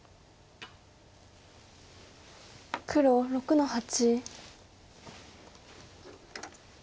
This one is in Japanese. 黒６の八。